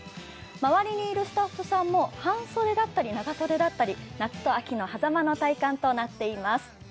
周りにいるスタッフさんも半袖だったり長袖だったり夏と秋のはざまの体感となっています。